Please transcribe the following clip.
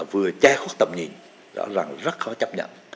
vừa che khuất tầm nhìn rõ ràng rất khó chấp nhận